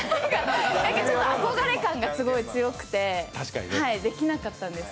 ちょっと憧れ感がすごい強くて、できなかったんですよ。